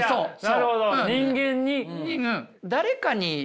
なるほど人間に。